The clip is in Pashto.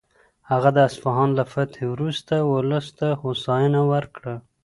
هغه د اصفهان له فتحې وروسته ولس ته هوساینه ورکړه.